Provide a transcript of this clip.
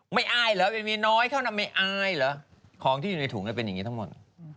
อายเหรอเป็นเมียน้อยเท่านั้นไม่อายเหรอของที่อยู่ในถุงเป็นอย่างนี้ทั้งหมด